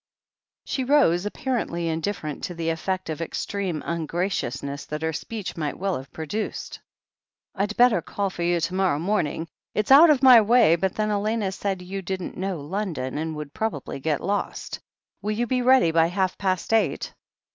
She rose, apparently indifferent to the effect of ex treme ungraciousness that her speech might well have produced. "I'd better call for you to morrow morning. It's out of my way, but then Elena said you didn't know Lon don, and would probably get lost. Will you be ready by half past eight?"